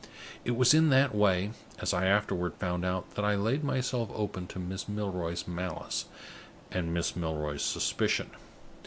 It was in that way, as I afterward found out, that I laid myself open to Miss Milroy's malice and Miss Milroy's suspicion.